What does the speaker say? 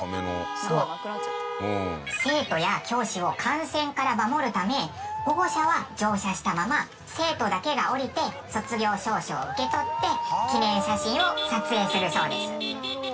生徒や教師を感染から守るため保護者は乗車したまま生徒だけが降りて卒業証書を受け取って記念写真を撮影するそうです。